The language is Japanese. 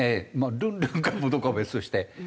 ルンルンかどうかは別として。